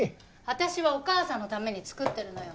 私はお母さんのために作ってるのよ。